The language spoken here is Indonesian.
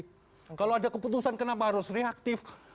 kalau ada keputusan kenapa harus reaktif